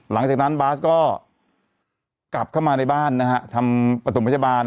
หลังจากนั้นบาสก็กลับเข้ามาในบ้านนะฮะทำประถมพยาบาล